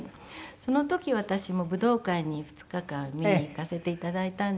その時私も武道館に２日間見に行かせて頂いたんですが。